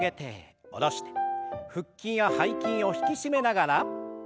腹筋や背筋を引き締めながら。